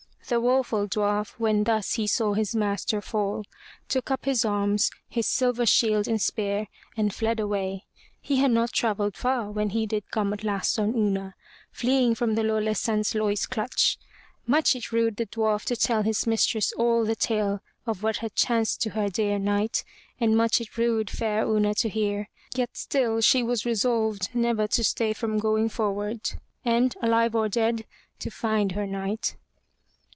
The woful dwarf when thus he saw his master fall, took up his arms, his silver shield and spear, and fled away. He had not travelled far when he did come at last on Una, fleeing from the lawless Sansloy's clutch. Much it rued the dwarf to tell his mistress all the tale of what had chanced to her dear knight, and much it rued fair Una to hear, yet still she was resolved never to stay from going forward and, alive or dead, to find her knight.